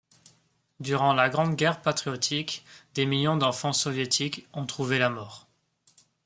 Durant la Grande Guerre patriotique des millions d'enfants soviétiques ont trouvé la mort.